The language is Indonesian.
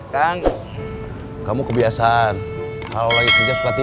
kalau kita di rumah kita harus berhenti